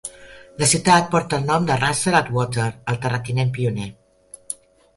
La ciutat porta el nom de Russell Attwater, el terratinent pioner.